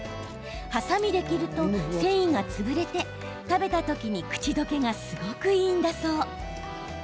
はさみで切ると繊維が潰れて食べた時に口溶けがすごくいいんだそう。